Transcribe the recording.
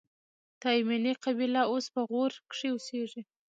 تایمني قبیله اوس په غور کښي اوسېږي.